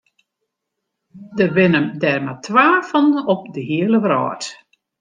Dêr binne der mar twa fan op de hiele wrâld.